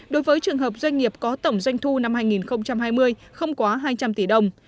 đối với trường hợp doanh nghiệp có tổng doanh thu năm hai nghìn hai mươi không quá hai trăm linh tỷ đồng